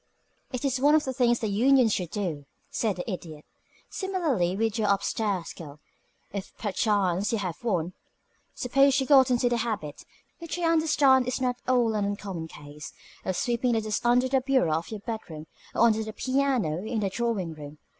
"It is one of the things the union should do," said the Idiot. "Similarly with your up stairs girl, if perchance you have one. Suppose she got into the habit, which I understand is not all an uncommon case, of sweeping the dust under the bureau of your bedroom or under the piano in the drawing room.